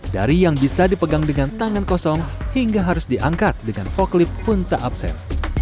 dari yang bisa dipegang dengan tangan kosong hingga harus diangkat dengan poklip pun tak absen